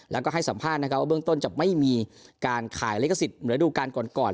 แล้วก็ให้สัมภาษณ์นะครับว่าเบื้องต้นจะไม่มีการขายลิขสิทธิ์เหมือนระดูการก่อน